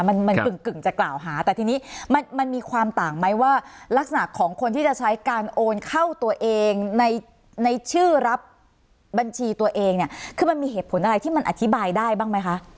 มันมันกึ่งจะกล่าวหาแต่ทีนี้มันมันมีความต่างไหมว่าลักษณะของคนที่จะใช้การโอนเข้าตัวเองในในชื่อรับบัญชีตัวเองเนี่ยคือมันมีเหตุผลอะไรที่มันอธิบายได้บ้างไหมคะ